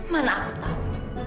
mana aku tahu